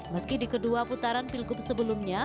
meski di kedua putaran pilgub sebelumnya